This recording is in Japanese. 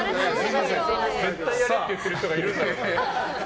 絶対やれって言ってる人がいるんだよ。